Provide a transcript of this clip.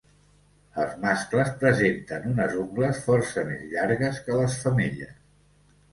Els mascles presenten unes ungles força més llargues que les femelles.